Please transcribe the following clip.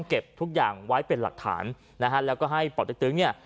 เก็บทุกอย่างไว้เป็นหลักฐานนะฮะแล้วก็ให้ป่อเต็กตึ๊งเนี่ย